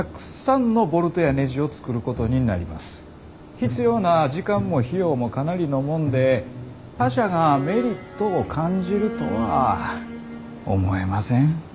必要な時間も費用もかなりのもんで他社がメリットを感じるとは思えません。